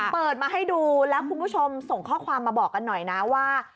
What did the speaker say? เปิดมาให้ดูแล้วคุณผู้ชมส่งข้อความมาบอกกันหน่อยนะว่า